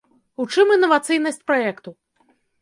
У чым інавацыйнасць праекту?